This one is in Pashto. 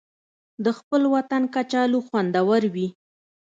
د خپل وطن کچالو خوندور وي